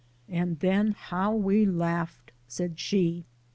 " And den how we laughed," said she.